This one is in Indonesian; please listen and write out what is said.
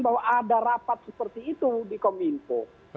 bahwa ada rapat seperti itu di kominfo